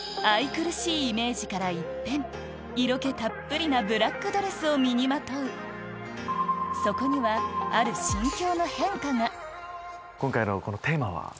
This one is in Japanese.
愛くるしいイメージから一転色気たっぷりなブラックドレスを身にまとうそこにはある今回のこのテーマは？